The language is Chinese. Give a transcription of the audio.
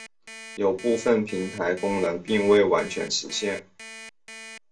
有部分平台功能并没有完全实现。